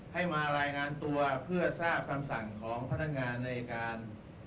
ให้มารายงานตัวเพื่อทราบคำสั่งของพนักงานในการ